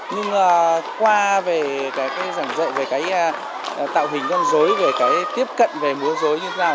nhưng qua về cái giảng dạy về cái tạo hình con dối về cái tiếp cận về múa dối như thế nào